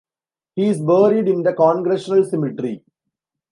He is buried in the Congressional Cemetery.